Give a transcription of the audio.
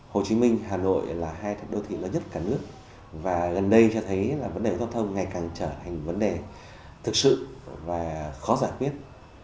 hồ chí minh hà nội là hai đô thị lớn nhất cả nước và gần đây cho thấy là vấn đề giao thông ngày càng trở thành vấn đề thực sự và khó giải quyết